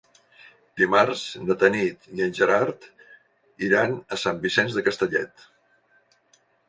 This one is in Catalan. Dimarts na Tanit i en Gerard iran a Sant Vicenç de Castellet.